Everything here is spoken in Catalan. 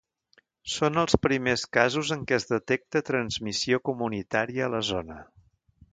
Són els primers casos en què es detecta transmissió comunitària a la zona.